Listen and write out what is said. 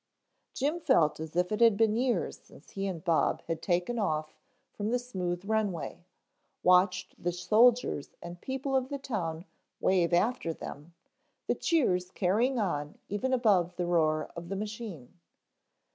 Jim felt as if it had been years since he and Bob had taken off from the smooth run way, watched the soldiers and people of the town wave after them, the cheers carrying on even above the roar of the machine.